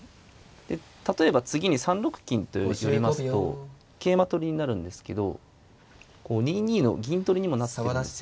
例えば次に３六金と寄りますと桂馬取りになるんですけどこう２二の銀取りにもなってるんです。